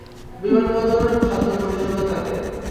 বিমানবন্দর খাদ্য পরিষেবা থেকে।